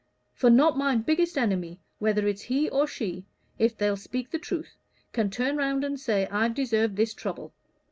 For not my biggest enemy, whether it's he or she, if they'll speak the truth, can turn round and say I've deserved this trouble.